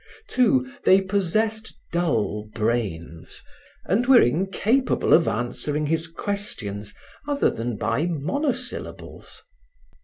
Too, they possessed dull brains and were incapable of answering his questions other than by monosyllables.